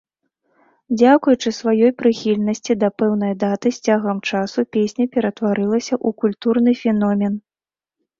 Дзякуючы сваёй прыхільнасці да пэўнай даты, з цягам часу песня ператварылася ў культурны феномен.